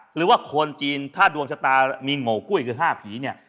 หรือว่าคนจีนถ้าดวงชะตามีโง่กุ้ยคือ๕ผีเนี่ย